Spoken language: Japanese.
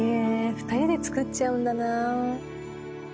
２人で作っちゃうんだな。